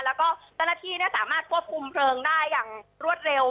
แล้วก็เจ้าหน้าที่สามารถควบคุมเพลิงได้อย่างรวดเร็ว